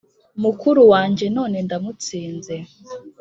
mukuru wanjye none ndamutsinze